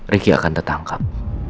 ricky akan tertangkap